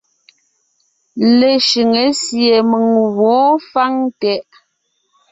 Leshʉŋé sie mèŋ gwǒon fáŋ tɛʼ.